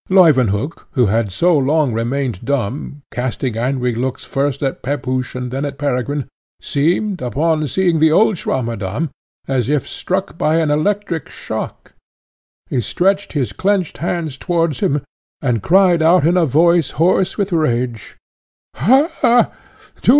Leuwenhock, who had so long remained dumb, casting angry looks first at Pepusch and then at Peregrine, seemed, upon seeing the old Swammerdamm, as if struck by an electric shock. He stretched his clenched hands towards him, and cried out in a voice hoarse with rage "Ha!